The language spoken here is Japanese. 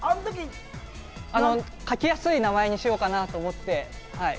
書きやすい名前にしようかなと思って。